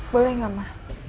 boleh gak ma